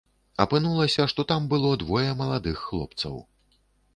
Апынулася, што там было двое маладых хлопцаў.